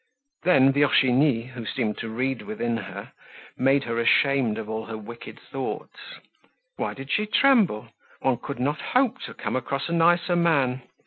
Then Virginie, who seemed to read within her, made her ashamed of all her wicked thoughts. Why did she tremble? Once could not hope to come across a nicer man.